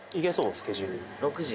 スケジュール６時？